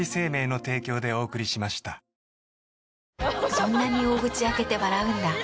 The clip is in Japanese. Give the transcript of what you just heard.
そんなに大口開けて笑うんだ。